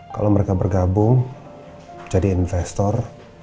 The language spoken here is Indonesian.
kalau mereka bergabung jadi investor